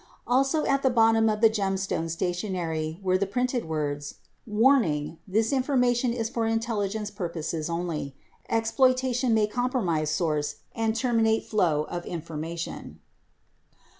Also at the bottom of the Gemstone stationery were the printed words, "Warning, this information is for intelligence purposes only. Exploita tion may compromise source and terminate flow of information."